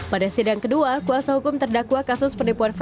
pada sidang kedua kuasa hukum terdakwa kasus penipuan